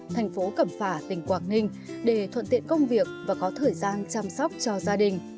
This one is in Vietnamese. thành phố cẩm phả tỉnh quảng ninh để thuận tiện công việc và có thời gian chăm sóc cho gia đình